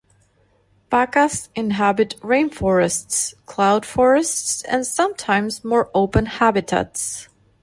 Pacas inhabit rainforests, cloud forests, and sometimes more open habitats.